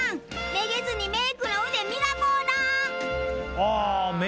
めげずにメイクの腕磨こうな！